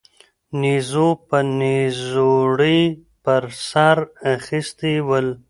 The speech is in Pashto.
نيزو به نيزوړي پر سر را اخيستي ول